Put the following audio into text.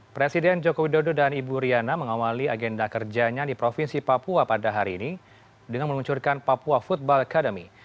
presiden joko widodo dan ibu riana mengawali agenda kerjanya di provinsi papua pada hari ini dengan meluncurkan papua football academy